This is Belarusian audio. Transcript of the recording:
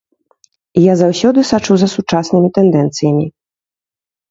Я заўсёды сачу за сучаснымі тэндэнцыямі.